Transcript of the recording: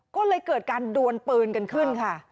ก็เลยเกิดการดวนปืนกันขึ้นค่ะ